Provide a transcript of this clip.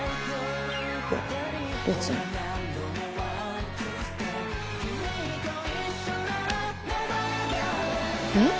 いや別にえっ？